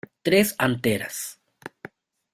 Tres anteras.